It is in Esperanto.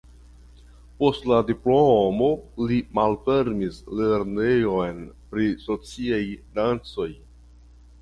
Post la diplomo li malfermis lernejon pri sociaj dancoj.